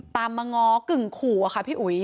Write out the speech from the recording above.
ตามมาง้อกึ่งขู่อะค่ะพี่อุ๋ย